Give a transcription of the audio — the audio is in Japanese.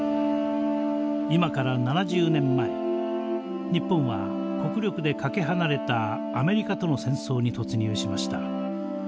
今から７０年前日本は国力でかけ離れたアメリカとの戦争に突入しました。